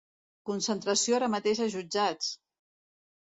Concentració ara mateix als jutjats!